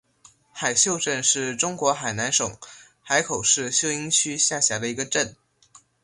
海秀镇是中国海南省海口市秀英区下辖的一个镇。